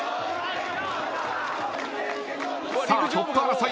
さあトップ争い。